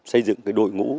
xây dựng đội ngũ